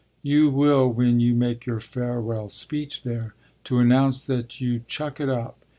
"You will when you make your farewell speech there to announce that you chuck it up.